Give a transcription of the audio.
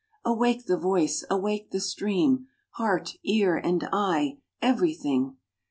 Awake the voice! awake the string! Heart, ear, and eye, and everything!